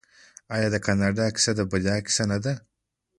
آیا د کاناډا کیسه د بریا کیسه نه ده؟